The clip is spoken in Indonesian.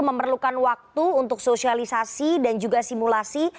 memerlukan waktu untuk sosialisasi dan juga simulasi